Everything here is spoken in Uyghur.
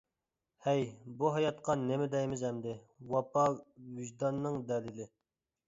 ھەي بۇ ھاياتقا نېمە دەيمىز ئەمدى. ۋاپا ۋىجداننىڭ دەلىلى!